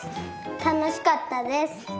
たのしかったです。